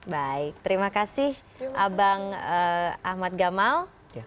baik terima kasih abang ahmad gamal